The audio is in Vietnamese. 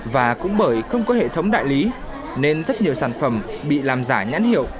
và cũng bởi không có hệ thống đại lý nên rất nhiều sản phẩm bị làm giả nhãn hiệu